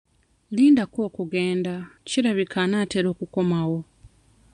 Lindako okugenda kirabika anaatera okukomawo.